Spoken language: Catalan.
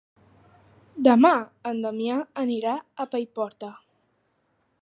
Demà en Damià anirà a Paiporta.